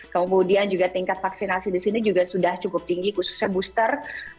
kemudian juga tingkat vaksinasi di sini juga sudah cukup tinggi khususnya booster